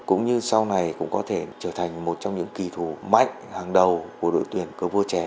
cũng như sau này cũng có thể trở thành một trong những kỳ thủ mạnh hàng đầu của đội tuyển cờ vua trẻ